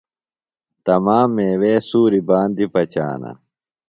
تمام میوے سُوریۡ باندیۡ پچانہ۔